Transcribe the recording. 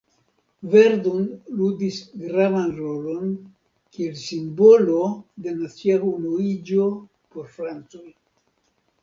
Verdun ludis gravan rolon kiel simbolo de nacia unuiĝo por francoj.